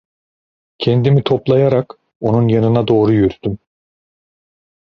Kendimi toplayarak, onun yanına doğru yürüdüm.